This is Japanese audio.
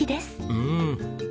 うん！